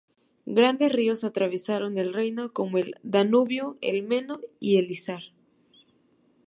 Grandes ríos atraviesan el reino como el Danubio, el Meno y el Isar.